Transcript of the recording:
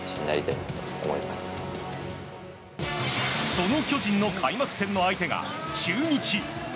その巨人の開幕戦の相手が中日。